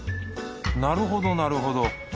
なるほどなるほど。